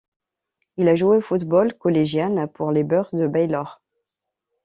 Il a joué au football collégial pour les Bears de Baylor.